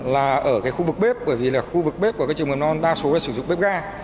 là ở cái khu vực bếp bởi vì là khu vực bếp của các trường mầm non đa số là sử dụng bếp ga